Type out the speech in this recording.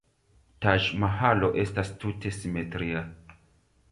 Taĝ-Mahalo estas tute simetria.